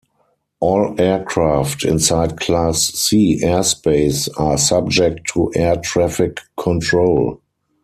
All aircraft inside Class C airspace are subject to air traffic control.